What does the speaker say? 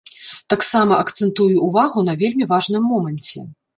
Таксама акцэнтую ўвагу на вельмі важным моманце.